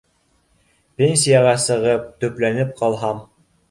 Пенсияға сығып, төпләнеп ҡалһам